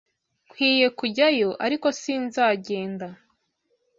Nkwiye kujyayo, ariko sinzagenda.